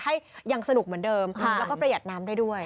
ให้ยังสนุกเหมือนเดิมแล้วก็ประหยัดน้ำได้ด้วย